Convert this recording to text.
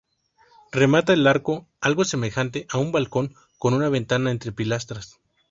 Remata el arco algo semejante a un balcón con una ventana entre pilastras.